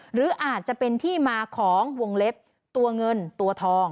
หรืออาจจะเป็นที่มาของวงเล็บตัวเงินตัวทอง